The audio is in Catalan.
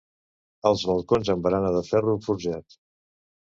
Els balcons amb barana de ferro forjat.